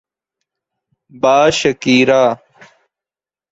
Bashkir